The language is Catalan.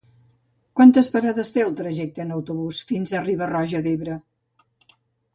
Quantes parades té el trajecte en autobús fins a Riba-roja d'Ebre?